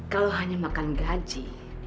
kalau hanya makan gaji